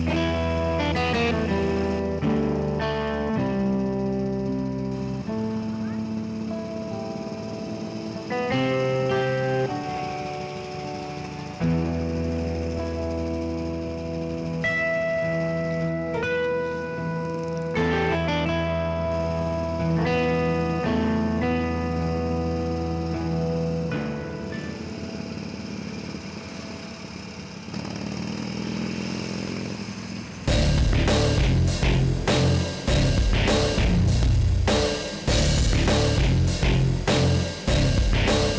aku kasih pusat